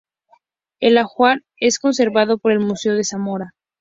El ajuar es conservado por el Museo de Zamora.